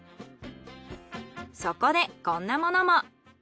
そこでこんなものも。